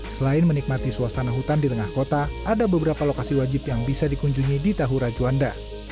selain menikmati suasana hutan di tengah kota ada beberapa lokasi wajib yang bisa dikunjungi di tahura juanda